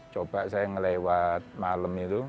coba saya ngelewat malam itu